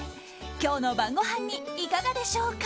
今日の晩ごはんにいかがでしょうか。